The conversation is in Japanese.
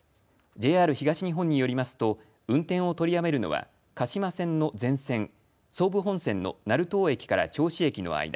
ＪＲ東日本によりますと運転を取りやめるのは鹿島線の全線総武本線の成東駅から銚子駅の間